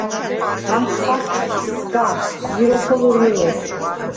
ა̈ხჴვასგხ ისგა, ჟი როქვ ოლჷრმინედ.